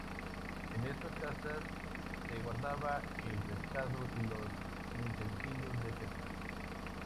En estas casas se guardaba el pescado y los utensilios de pesca.